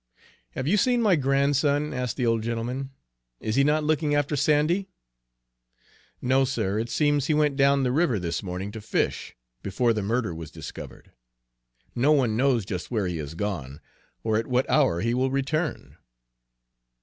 "Have you seen my grandson?" asked the old gentleman. "Is he not looking after Sandy?" "No, sir. It seems he went down the river this morning to fish, before the murder was discovered; no one knows just where he has gone, or at what hour he will return."